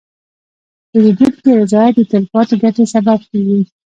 د پیرودونکي رضایت د تلپاتې ګټې سبب کېږي.